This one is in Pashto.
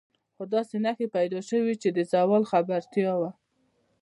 خو داسې نښې پیدا شوې چې د زوال خبرتیا وه.